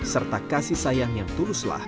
serta kasih sayang yang tuluslah